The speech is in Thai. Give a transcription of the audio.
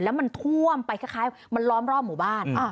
แล้วมันท่วมไปคล้ายมันล้อมรอบหมู่บ้าน